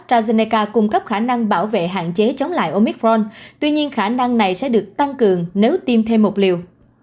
srageneca cung cấp khả năng bảo vệ hạn chế chống lại omicron tuy nhiên khả năng này sẽ được tăng cường nếu tiêm thêm một liều